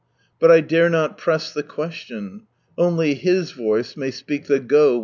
But I dare not press the question. Only His voice may speak the " Go !